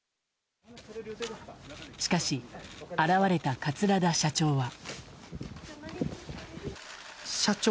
しかし、現れた桂田社長は。